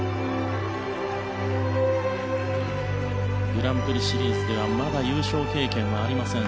グランプリシリーズではまだ優勝経験はありません。